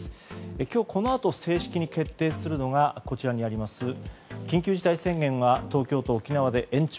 今日このあと正式に決定するのが緊急事態宣言が東京と沖縄で延長。